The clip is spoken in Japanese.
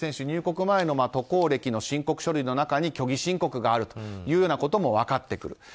入国前の渡航歴の申告書類の中に虚偽申告があるということも分かってくる。